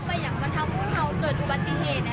ไปอย่างบรรทับภูมิคุยกับบันทย์ที่เอ่ด